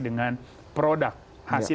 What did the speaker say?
dengan produk hasil